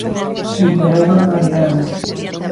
Si, pero é unha barbaridade.